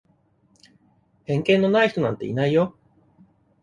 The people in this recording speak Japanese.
偏見のない人なんていないよ。